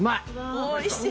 おいしい！